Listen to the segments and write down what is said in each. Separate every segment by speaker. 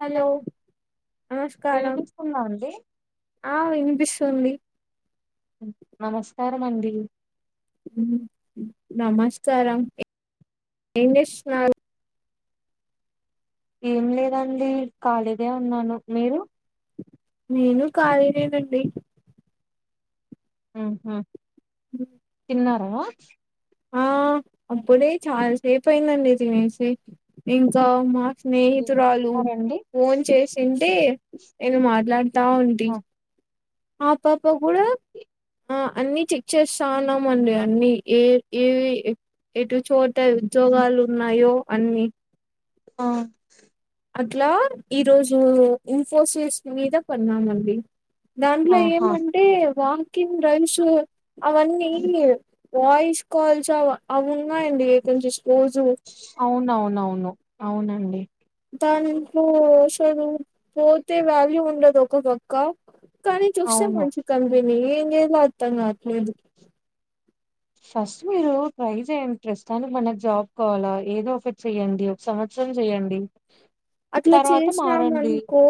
Speaker 1: Hello
Speaker 2: నమస్కారం
Speaker 1: వినిపిస్తుందా అండి
Speaker 2: ఆ వినిపిస్తుంది
Speaker 1: మండి
Speaker 2: నమస్కారం ఏం చేస్తున్నారు
Speaker 1: ఏం లేదండి ఖళీనే ఉన్నాను మీరు
Speaker 2: నేను కాలేనేనండి
Speaker 1: ఉహు
Speaker 2: అ
Speaker 1: టీన్నారా
Speaker 2: ఆ అప్పుడే చాలాసేపు అయిందండి తినసి ఇంకా మా
Speaker 1: ఏం
Speaker 2: స్నేహితురాలు
Speaker 1: తిన్నారండి
Speaker 2: ఫోన్ చేసింటే నేను మాట్లాడి తా ఉంది
Speaker 1: ఆ
Speaker 2: ఆ పాప కూడా ఆ అన్ని చెక్ చేస్తాన్నామ అండి అన్ని ఏ ఏవి ఎటు చోట ఉద్యోగాలు ఉన్నాయో అన్ని
Speaker 1: ఆ
Speaker 2: అట్లా ఈరోజు ఇన్ఫోసిస్ మీద పన్మానండి దాంట్లో
Speaker 1: ఆహా
Speaker 2: ఏమంటే వా స్కిన్ రడ్రైస్ అవన్నీ వాయిస్ కాల్స్ అ ఉన్నాయండి ఈ స్కూల్
Speaker 1: అవునవునవును అవునండి
Speaker 2: దానిలో అసలు పోతే వాల్యూ ఉండదు కదా అక్క కానీ చూస్తాం
Speaker 1: అవును
Speaker 2: మంచి కంపెనీ ఏం చెయ్యాలో అర్ధం కాట్లేదు
Speaker 1: ఫస్ట్ మీరు ట్రై చేయ్యంట్రెస్ట్ దనికి మనకు జాబ్ కావాలా ఏదో అఫెర్ట్స్ చెయ్యడి ఒక సంవత్సరం సం చేయండి
Speaker 2: అట్లా చేసాం అనుకో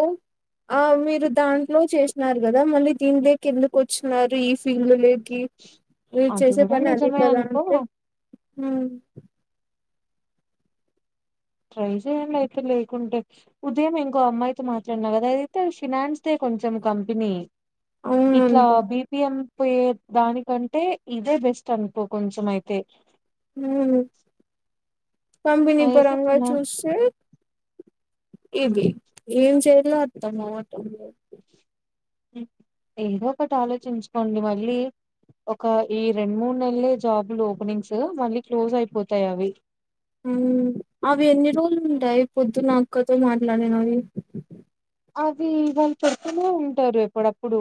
Speaker 2: ఆ మీరు దాంట్లో చేసినారు కదా మళ్ళీ దీని దకి ఎందుకు వచ్చన్నారు ఈ ఫీల్డ్ లేదు మీరు
Speaker 1: అది
Speaker 2: చేసే
Speaker 1: కూడా
Speaker 2: పని అది
Speaker 1: నిజమే
Speaker 2: కదా
Speaker 1: అనుకో
Speaker 2: అంటే
Speaker 1: ట్రై చేయండి అయితే లేకుంటే ఉదయం ఇంకో అమ్మాయితే మాట్లాడిన కదా అదయితే ఫినాన్స్ ద కొంచెం కంపెనీ ఇట్లా
Speaker 2: అవునంట
Speaker 1: బిపిఎం పోయే దానికంటే ఇదే బెస్ట్ అనుకో కొంచెం అయితే
Speaker 2: ఉ కంపెనీ
Speaker 1: అయితే
Speaker 2: పరంగా
Speaker 1: చిన్న
Speaker 2: చూస్తే ఇది ఏం చేయలో అర్ధం కావాట్ల
Speaker 1: ఏదో ఒకటి ఆలోచించుకోండి మళ్ళీ ఒక ఈ రెండు మూడు నెల జాబులు ఓపెనింగ్స్ మళ్ళీ క్లోజ్ అయిపోతాయి అవి
Speaker 2: అవి ఎన్ని రోజులు ఉంటాయి పొద్దునక్కతో మాట్లాడినవి
Speaker 1: అవి ఇవాళు పెడుతూనే ఉంటారు ఎప్పుడప్పుడు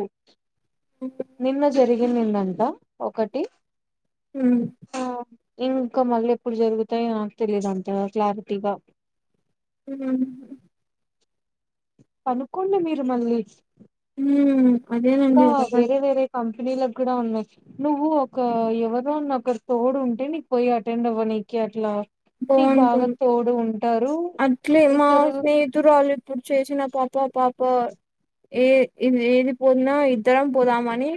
Speaker 1: నిన్న జరిగి దంట ఒకటి
Speaker 2: ఉ
Speaker 1: ఆ ఇంకా మళ్ళీ ఎప్పుడు జరుగుతాయో నాకు తెలీదు అంతగా క్లారిటీగా
Speaker 2: ఉ
Speaker 1: అనుకోండి మీరు మళ్ళీ
Speaker 2: ఉ అదేనండి
Speaker 1: ఇంకా
Speaker 2: అడగళ్ల
Speaker 1: వేరే వేరే కంపెనీలకు కూడా ఉన్నాయి నువ్వు ఒక ఎవరోన్న ఒకరు తోడు ఉంటే నీక్ పోయి అటెండ్ అవ్వ నికి అట్లా నీకు బాగా
Speaker 2: బాగుంటది
Speaker 1: తోడు ఉంటారు
Speaker 2: అట్లే మా
Speaker 1: ఇద్దరు
Speaker 2: స్నేహితురాలు ఇప్పుడు చేసిన పాప పాప ప ఏ ఇది ఏది పోతునా ఇద్దరం పోదామని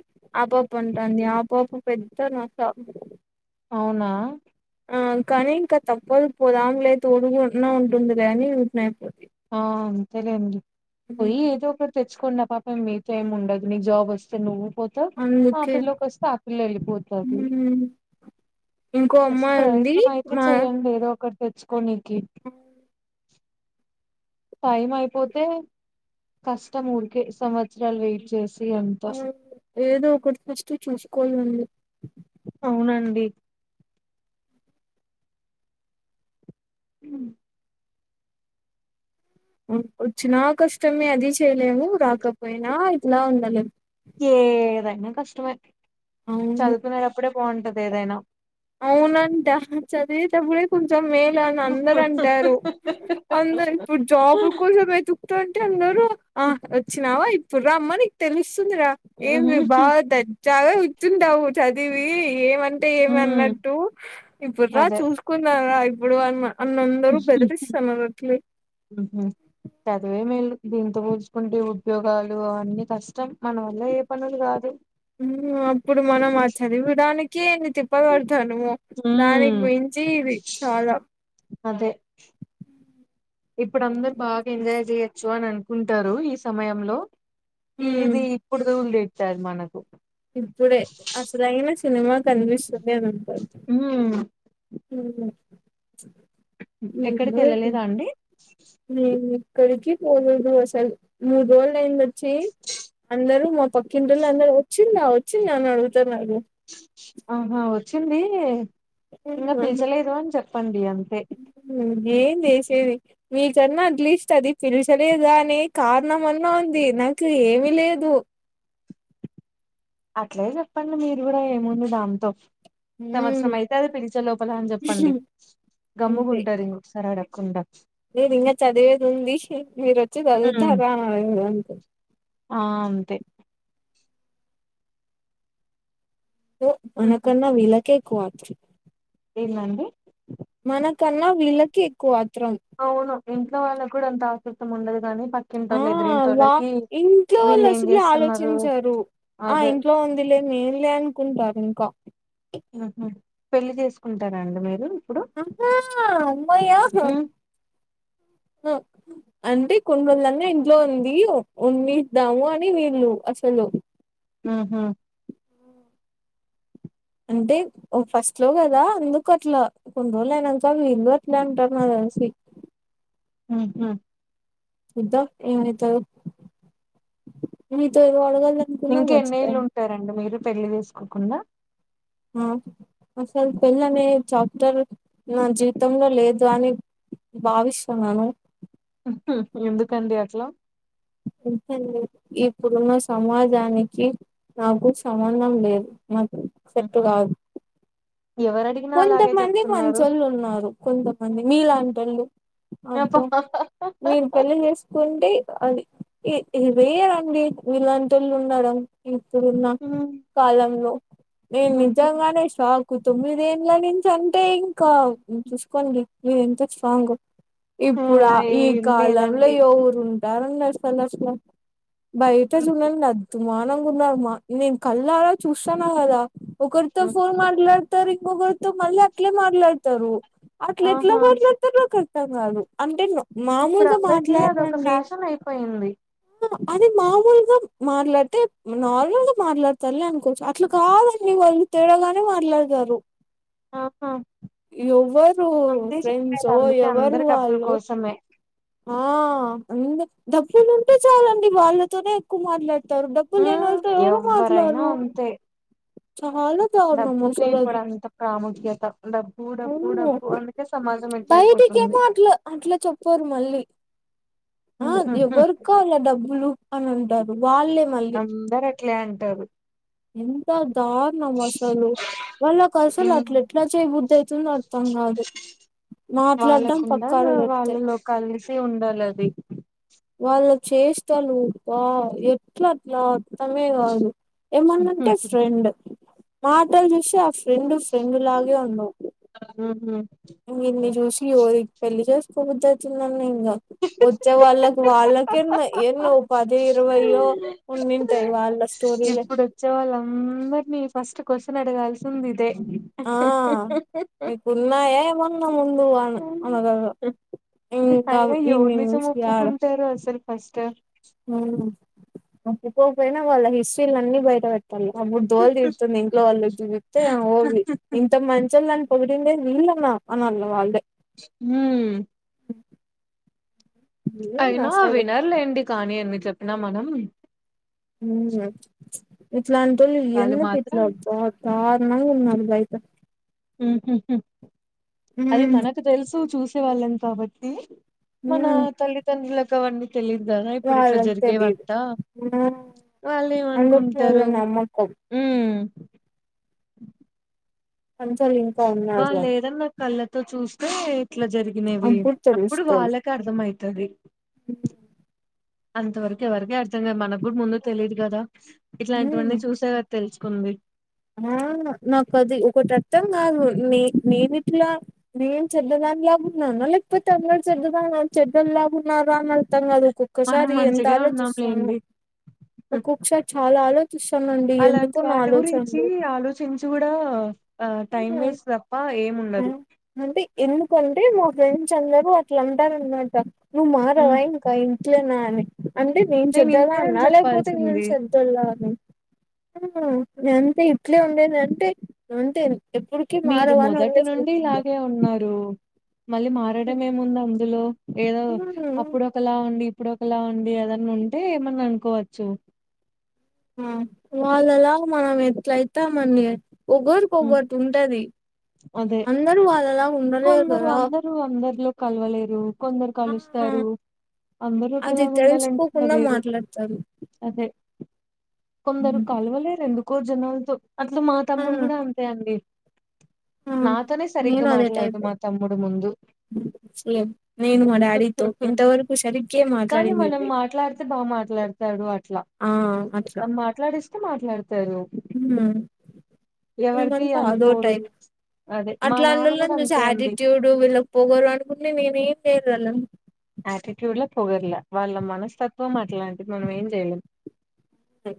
Speaker 2: ఆపాప అంటాంది ఆపాప పెద్ద తనక
Speaker 1: అవునా
Speaker 2: ఆ కానీ ఇంక తప్పదు పోదాములే తోడుగున్నా ఉంటుంది లే అని ఉర్కనే
Speaker 1: ఆ అంతేలేండి పోయి ఏదో ఒకటి తెచ్చుకోండి ఆపాప ఏం మీతో ఏం ఉండదు నీక్ జాబ్ వస్తే నువ్వు పోతవ్ ఆ
Speaker 2: అందుకే
Speaker 1: పిల్ల్లోకి వస్తే ఆ పిల్ల వెళ్ళిపోతది
Speaker 2: మ్మ్ ఇంకో
Speaker 1: ఫస్ట్
Speaker 2: అమ్మాయి ఉంది
Speaker 1: ప్రయత్నం అయితే చేయండి ఏదో ఒకటి తెచ్
Speaker 2: అ
Speaker 1: టైం అయిపోతే కష్టం ఊరికే సంవత్సరాలు వెయిట్ చేస్
Speaker 2: ఏదో ఒకటి ఫస్ట్ చూసుకోలండి
Speaker 1: అవునండి ఉ
Speaker 2: వచ్చినా కష్టమే అది చేయలేము రాకపోయినా ఇట్లా ఉండలేం
Speaker 1: ఏదైనా కష్టమే చదువుకునేటప్పుడే బాగుంటది ఏదైనా
Speaker 2: అవునా అంట చదివేటప్పుడే కొంచం మే లా అని అందరు అంటారు అందరు ఇప్పుడు జాబ్ కోసం వెతుకుతూంటే అందరు ఆ వచ్చినావా ఇప్పుడు రమ్మ నీకు తెలుసు తుందిరా ఏమి బాగా దజ్జగా కూచుంటావు చదివి ఏమంటే ఏమి అన్న
Speaker 1: ఉమ్
Speaker 2: డు ఇప్పుడు రా
Speaker 1: అదే
Speaker 2: చూసుకున్నారా ఇప్పుడు అన్న అన్న అందరు బెదిరిస్తున్నారు అట్లే
Speaker 1: చదువే మేలు దీంతో పోల్చుకుంటే ఉద్యోగాలు అవన్నీ కష్టం మన వల్ల అయ్యే పనులు కాదు
Speaker 2: అప్పుడు మనం ఆ చదివడానికే తిప్పలుబడతానము దానికి
Speaker 1: ఉమ్
Speaker 2: మించి ఇది చాలా
Speaker 1: అదే ఇప్పుడు అందరు బాగా ఎంజాయ్ చేయొచ్చు అని అనుకుంటారు ఈ సమయంలో
Speaker 2: హ్మ్
Speaker 1: ఇది ఇప్పుడు దూలు తీరుతాది మనకు
Speaker 2: ఇప్పుడే అసలైన సినిమా కనిపిస్తుంది అని అంటరు
Speaker 1: ఉమ్ ఎక్కడికి
Speaker 2: ఏందో
Speaker 1: వెళ్ళలేదా
Speaker 2: ఇదంతా
Speaker 1: అండి
Speaker 2: అక్కడికి పోలేరు అసలు మూడు రోజులు అయింది వచ్చి అందరు మొం పక్కింటోళ్ళు అందరు వచ్చిందా వచ్చింద అని అడుగుతానారు
Speaker 1: ఆహా వచ్చింది ఇంకా పిల్చలేదు అని చెప్పండి అంతే
Speaker 2: ఉమ్, ఏం చేసేది మీకన్నా అట్లీస్ట్ అది పిలిచలేదా అనే కారణంమన్నా ఉంది నాకు ఏమి లేదు
Speaker 1: అట్లే చెప్పండి మీరు కూడా ఏముంది దాంతో
Speaker 2: హ్మ్
Speaker 1: సంవత్సరం అయితే అది పిలిచే లోపల అని చెప్పండి గమ్ముగుంటారు ఇంకొకసారి అడకుండా
Speaker 2: నేది ఇంగ చదివేది ఉంది మీరు వచ్చి
Speaker 1: ఉమ్,
Speaker 2: చదువుతారా అ
Speaker 1: ఆ అంతే
Speaker 2: మనకన్నా విళ్ళకే ఎక్కువ
Speaker 1: ఎందండి
Speaker 2: మనకన్నా వీళ్ళకె ఎక్కువ ఆత్రం
Speaker 1: అవును ఇంట్లో వాళ్ళకి కూడా అంత ఆసక్తం ఉండదు గానీ
Speaker 2: ఆ
Speaker 1: పక్కింటోళ్ళు
Speaker 2: వా
Speaker 1: ఎదిరింటోళ్ళకి
Speaker 2: ఇంట్లో వాళ్ళు
Speaker 1: వీళ్ళు ఏం
Speaker 2: అసలు
Speaker 1: చేస్తున్నారు
Speaker 2: ఆలోచించారు ఆ
Speaker 1: అదే
Speaker 2: ఇంట్లో ఉంది లే నేంలే అనుకుంటారు ఇంకా
Speaker 1: ఆహ పెళ్లిి చేసుకుంటారాండి మీరు ఇప్పుడు
Speaker 2: అహ్హ అమ్మయ్య హ్
Speaker 1: ఉమ్,
Speaker 2: అ అంటే కొన్ని రోజుళన్న ఇంట్లో ఉంది ఉన్నిద్దాము అని వీళ్ళు అసలు
Speaker 1: ఆహా
Speaker 2: అంటే ఒ ఫస్ట్ లో కదా అందుకు అట్లా కొన్నిరోజులు అయినాంక వీళ్లు గూడ అట్నె అంటార్ నా తెల్సి
Speaker 1: ఉహ్
Speaker 2: ఇద్దం ఏమైతదో అనుకున్నా
Speaker 1: ఇంకెన్నేళ్ళు
Speaker 2: మర్చిపోయినా
Speaker 1: ఉంటారండి మీరు పెళ్లిి తీసుకోకుండా
Speaker 2: ఆ అసల్ పిల్లనే చాప్ట్ర్ నా జీవితంలో లేదు అని భావిస్తున్నాను
Speaker 1: ఎందుకండి అట్లా
Speaker 2: ఇంకేంది ఇప్పుడున్న సమాజానికి నాకు సంబంధం లేదు నాక్ సెట్టు
Speaker 1: ఉహు.
Speaker 2: గాదు
Speaker 1: ఎవరు అడిగినా అలాగే
Speaker 2: కొంతమంది
Speaker 1: చెప్తున్నారు
Speaker 2: మంచ్చోళ్ళు ఉన్నారు కొంతమంది మీలాంటోళ్ళు అబ్బా మీరు పెళ్లిి చేసుకుంటే అది ఇవేయండి వీళ్ళంటొళ్ళు ఉండడం ఉన్న
Speaker 1: హ్మ్.
Speaker 2: కాలంలో నేను
Speaker 1: హుహు.
Speaker 2: నిజంగానే షాక్ తొమ్మిది దేండ్ల నుంచి అంటే ఇంకా చూసుకోండి నేనేంత స్ట్రాంగో
Speaker 1: ఆ
Speaker 2: ఇప్పుడ ఈ
Speaker 1: ఏం
Speaker 2: కాలంలో
Speaker 1: లేదండి
Speaker 2: ఎవరు ఉంటారండి అసలసల బయట
Speaker 1: హుహు.
Speaker 2: చూడండి అద్దుమానంగా ఉన్నారుమ్మా నేను కళ్ళరా చూస్తానా కదా ఒకరితో
Speaker 1: హ్మ్.
Speaker 2: ఫోన్ మాట్లాడతారు ఇంకొకరితో మళ్ళీ అట్లే మాట్లాడతారు అట్ల ఎట్లా
Speaker 1: ఆహా
Speaker 2: మాట్లాతారు నాకర్ధం కాదు అంటేను
Speaker 1: ఇప్పుడు
Speaker 2: మామూలుగ
Speaker 1: అందరికి అదొక
Speaker 2: మాట్లాడరండి
Speaker 1: ఫ్యాషన్ అయిపోయింది
Speaker 2: అది మామూలుగా మాట్లాడితే నార్మల్ గా మాట్లాడతారులే అనుకోవచ్చు అట్లా కాదండి వాళ్ళు తేడగానే మాట్లాడతారు
Speaker 1: ఆహా
Speaker 2: ఎవ్వరు
Speaker 1: అంతే చెప్పేది
Speaker 2: ఫ్రెండ్సో
Speaker 1: అందుకే
Speaker 2: ఎవరు
Speaker 1: అందరు డబ్బుల
Speaker 2: వాళ్ళు
Speaker 1: కోసమే
Speaker 2: ఆ అంద్ డబ్బులు ఉంటే చాలండి వాళ్ళతోనే ఎక్కువ మాట్లా దా డబ్బుల్
Speaker 1: ఉమ్
Speaker 2: లేనోళ్లతో ఎవరు
Speaker 1: ఎవ్వరైనా
Speaker 2: మాట్లారు
Speaker 1: అంతే డబ్బుకే ఇప్పుడు
Speaker 2: అది
Speaker 1: అంత ప్రాముఖ్యత డబ్బు
Speaker 2: అవును
Speaker 1: డబ్బు అందుకే సమాజం ఎట్లా అయిపోతుంది
Speaker 2: బయటికేమో అట్లా అట్లా చెప్పరు మళ్ళీ ఆ ఎవరు కావాల డబ్బులు అన అంటారు వాళ్ళే మళ్ళీ
Speaker 1: అందరు అట్లే అంటారు
Speaker 2: ఎంత దారుణం అసలు వాళ్ళకసలు అట్ల ఎట్లా చేయబుద్ధి అయితుందో అర్థం కాదు మాట్లాడడం
Speaker 1: వాళ్ళకుండాల
Speaker 2: పక్కాన పెడితే
Speaker 1: వాళ్ళలో కలిసి ఉండాలది
Speaker 2: వాళ్ళ చేష్టలు వా ఎట్లట్లా అర్థమే కాదు. ఏమన్నంటే ఫ్రెండ్ మాటల్ చూస్తే ఆ ఫ్రెండ్ ఫ్రెండ్ లాగే ఉండవ్ మేం
Speaker 1: ఉహు
Speaker 2: ఇన్ని చూసి ఓరి పెళ్లి చేస్కోబద్ది అయితుందన్న ఇంగ వచ్చే వాళ్ళక్ వాళ్ళకే ఉన్నయి ఎన్నో పది ఇరవయ్యో ఉంనింటయి వాళ్ళ స్టోరీలే
Speaker 1: మీ ఫస్ట్ క్వశ్చన్ అడగాల్సిందిదే
Speaker 2: ఆ మీకున్నాయా ఏమన్న ముందు ఆమె ఆమె దగ్గర ఇంకా
Speaker 1: అయినా ఎవరు
Speaker 2: ఇన్ని
Speaker 1: నిజం
Speaker 2: మంత్స్ ఇయాలె
Speaker 1: ఒప్పుకుంటారు అసలు ఫస్ట్
Speaker 2: ఒక్క పోకైనా వాళ్ళ హిస్టరీలన్నీ బయటపెట్ అప్పుడు దోల్ తీర్తుంది ఇంట్లో వాళ్ళు వచ్చి చెప్తే ఆ హోలి ఇంత మంచోల్లన్ పొగిడిందే వీళ్ళనా అనాల్ వాళ్ళే
Speaker 1: మ్
Speaker 2: ఏంది
Speaker 1: అయినా
Speaker 2: అసలు
Speaker 1: వినర్లేండి కానీ ఎన్ని చెప్పినా మనం
Speaker 2: మ్ ఎట్లాంటోల్
Speaker 1: వాళ్ళు
Speaker 2: ఇయన్నీ
Speaker 1: మాత్రం
Speaker 2: తిట్లతో దార్ నంగున్నారు బైట
Speaker 1: అది
Speaker 2: ఉమ్
Speaker 1: మనకు తెల్సు చూసే వాళ్ళం కాబట్టీ మనా
Speaker 2: ఉమ్
Speaker 1: తల్లిదండ్రులక్ అవన్నీ తెలీదు గదా ఇప్పుడు ఇట్ల
Speaker 2: వాళ్ళకి తెలీదు
Speaker 1: జరిగేవంతా
Speaker 2: ఉమ్ అందుకు వాళ్ళ
Speaker 1: వాళ్ళేమనుకుంటరు
Speaker 2: నమ్మకం
Speaker 1: మ్
Speaker 2: కొంచెం ఇంకా ఉన్నారు
Speaker 1: వాళ్
Speaker 2: అని
Speaker 1: ఏదన్న కళ్ళతో చూస్ తే ఇట్ల జరిగినవి అప్పుడు వాళ్ళకర్థం అయితది. అంతవరకు ఎవరికీ అర్థం గాదు. మనక్ గుడ్ ముందు తెలీదు గదా ఇట్లాంటివన్నీ చూసే కదా తెల్సు కుంది.
Speaker 2: నాకది ఒకటి అర్థం కాదు నే నేనిట్లా నేన్ చెడ్డద నిలాగున్నానా లేకపోతే అందరు చెడ్డదాన చెడ్డల్లాగున్నారా అని అర్థం గాదు.
Speaker 1: మనం
Speaker 2: ఒక్కొక్కసారి ఎంత
Speaker 1: మంచిగే ఉన్నాం
Speaker 2: ఆలోచిస్తానో
Speaker 1: లేండి
Speaker 2: ఒక్కొక్కసారి చాలా ఆలో చిస్తానండి ఎందుకో నా ఆలోచ
Speaker 1: చీ ఆలోచించి గుడా అ టైమ్ వేస్ట్ తప్ప ఏముం
Speaker 2: ఆ అంటే ఎందుకంటే మా ఫ్రెండ్స్ అందరూ అట్లా అంటారన్మాట. నువ్ మారవా ఇంకా ఇంట్లేనా అని అంటే నేన్
Speaker 1: నేను ఇంతే
Speaker 2: చెడ్డదాన్న
Speaker 1: అని
Speaker 2: లేకపోతే మీర్
Speaker 1: చెప్పాల్సింది
Speaker 2: చెడ్డోల్ల అని మ్ నే అంతే ఇట్లే ఉండేదంటే ఉంటే ఎప్పుడుకి మారవా అన్ వదిలే
Speaker 1: కీ ఇలాగే ఉన్నరు. మళ్ళీ మారడం ఏముందందులో ఏదో అప్పుడు ఒకలా ఉండి ఇప్పుడ్ ఒకలా ఉండి అదన్న ఉంటే ఏమన్న అనుకోవచ్చు.
Speaker 2: ఆ వాళ్ళలా మనం ఎట్లైతామండీ
Speaker 1: హ్మ్
Speaker 2: ఒక్కోర్కొక్కోట్ ఉంటది
Speaker 1: అదే
Speaker 2: అందరూ వాళ్ళలా ఉండలేరు
Speaker 1: కొందరు
Speaker 2: కదా
Speaker 1: అందరు అందర్లో కల్వలేరు కొందర్
Speaker 2: ఆ
Speaker 1: కలుస్తరు. అందరూ
Speaker 2: అది
Speaker 1: ఒకేలా
Speaker 2: తెలుసుకోకుండా
Speaker 1: గుండాలనుకుంటలేరు
Speaker 2: మాట్లాడతారు
Speaker 1: అదే కొందరు కలవలేరు ఎందుకో జనాల్తో అట్ల మా
Speaker 2: ఆ
Speaker 1: తమ్ముడు గుడా అంతే అండి.
Speaker 2: ఆ
Speaker 1: నాతోనే సరిగ్గ
Speaker 2: నేను అదే
Speaker 1: మాట్లాడ్
Speaker 2: టైపే
Speaker 1: మా తమ్ముడు ముందు
Speaker 2: సేమ్ నేను మా డాడీతో ఇంతవరకు సరిగ్గే
Speaker 1: కానీ
Speaker 2: మాట్లాడింది
Speaker 1: మనం
Speaker 2: లేదు
Speaker 1: మాట్లాడ్తే బాగా మాట్లాడతాడు అట్ల
Speaker 2: ఆ
Speaker 1: మనం మాట్లాడిస్తే మాట్లాడు
Speaker 2: ఉమ్
Speaker 1: ఎవరిది
Speaker 2: మిమంతా అదో
Speaker 1: అనుకోరు
Speaker 2: టైప్
Speaker 1: అదే మా నాన్న కూడా
Speaker 2: అట్లాంటోళ్ళని చూసి
Speaker 1: అంతే అండి
Speaker 2: యాటిట్యూడ్ వీళ్ళక్ పోగరు అనుకుంటే నేనెం చేనొళ్ళం
Speaker 1: యటిట్యూడ్ ల పొగర్ల వాళ్ళ మనస్తత్వం అట్లాంటిది మనం ఏం చేయలేం
Speaker 2: ఓ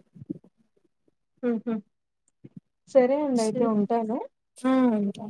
Speaker 1: సరే అండి అయితే ఉంటాను
Speaker 2: ఆ ఉంటా